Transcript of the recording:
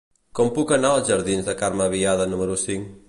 Com puc anar als jardins de Carme Biada número cinc?